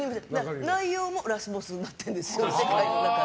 内容もラスボスになってるんですよ、異世界の中で。